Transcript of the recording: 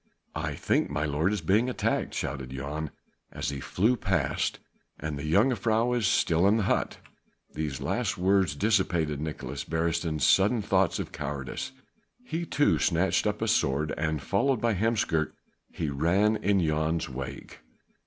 "I think my lord is being attacked," shouted Jan as he flew past, "and the jongejuffrouw is still in the hut." These last words dissipated Nicolaes Beresteyn's sudden thoughts of cowardice. He too snatched up a sword and followed by Heemskerk he ran in Jan's wake.